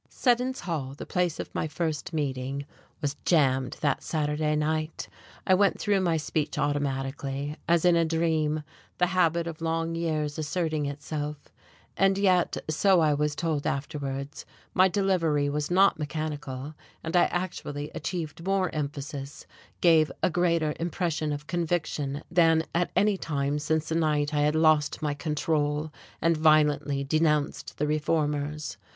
Seddon's Hall, the place of my first meeting, was jammed that Saturday night. I went through my speech automatically, as in a dream, the habit of long years asserting itself. And yet so I was told afterwards my delivery was not mechanical, and I actually achieved more emphasis, gave a greater impression of conviction than at any time since the night I had lost my control and violently denounced the reformers.